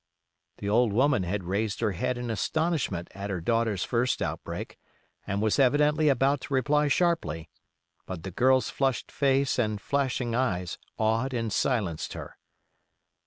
The old woman had raised her head in astonishment at her daughter's first outbreak, and was evidently about to reply sharply; but the girl's flushed face and flashing eyes awed and silenced her.